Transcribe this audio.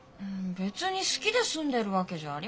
別に好きで住んでるわけじゃありません。